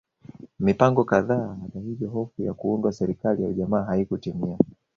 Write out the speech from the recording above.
Mipango kadhaa hata hivyo hofu ya kuundwa serikali ya ujamaa haikutimia